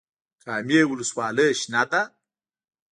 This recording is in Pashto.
کامې ولسوالۍ شنه ده؟